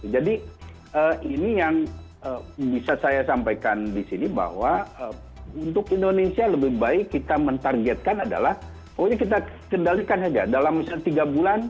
jadi ini yang bisa saya sampaikan di sini bahwa untuk indonesia lebih baik kita mentargetkan adalah pokoknya kita kendalikan saja dalam tiga bulan